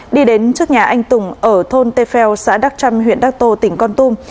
đi đến trước nhà anh tùng ở thôn tê pheo xã đắc trăm huyện đắc tô tỉnh con tum